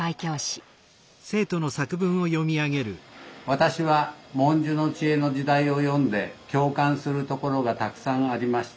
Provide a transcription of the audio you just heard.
「私は『“文殊の知恵”の時代』を読んで共感するところがたくさんありました」。